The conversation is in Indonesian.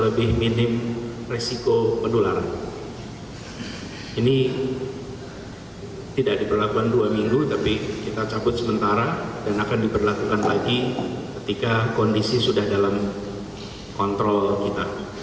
anies juga meminta seluruh warga dki jakarta untuk lebih banyak penyelenggaraan